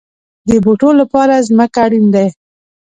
د بوټو لپاره ځمکه اړین ده